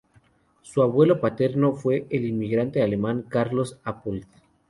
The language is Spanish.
Su abuelo paterno fue el inmigrante alemán Carlos Apold.